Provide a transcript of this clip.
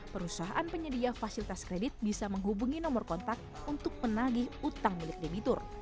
perusahaan penyedia fasilitas kredit bisa menghubungi nomor kontak untuk menagih utang milik debitur